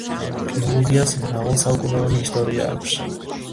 გეოლოგიას მრავალსაუკუნოვანი ისტორია აქვს.